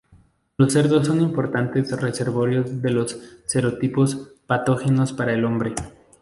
Los cerdos son importantes reservorios de los serotipos patógenos para el hombre.